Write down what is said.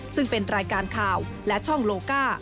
ซึ่งเป็นรายการข่าวและช่องโลก้า